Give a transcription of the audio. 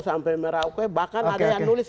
sampai merauke bahkan ada yang nulis